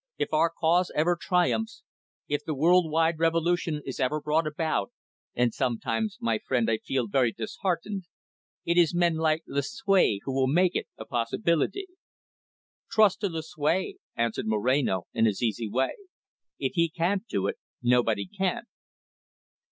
"If our cause ever triumphs, if the world wide revolution is ever brought about and sometimes, my friend, I feel very disheartened it is men like Lucue who will make it a possibility." "Trust to Lucue," answered Moreno, in his easy way. "If he can't do it, nobody can."